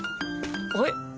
はい？